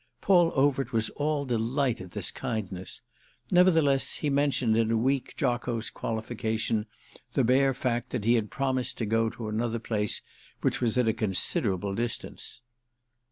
Paul Overt was all delight at this kindness; nevertheless he mentioned in weak jocose qualification the bare fact that he had promised to go to another place which was at a considerable distance.